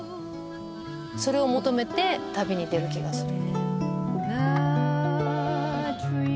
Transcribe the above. それを求めて旅に出る気がする。